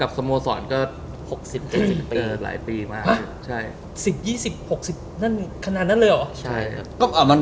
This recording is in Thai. อ่ะสิบยี่สิบหายซึกนั่นนั่นเลยเหรอ